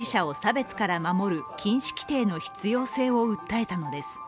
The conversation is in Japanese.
当事者を差別から守る禁止規定の必要性を訴えたのです。